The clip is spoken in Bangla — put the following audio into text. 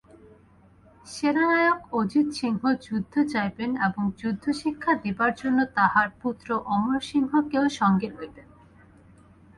সেনানায়ক অজিতসিংহ যুদ্ধে যাইবেন এবং যুদ্ধশিক্ষা দিবার জন্য তাঁহার পুত্র অমরসিংহকেও সঙ্গে লইবেন।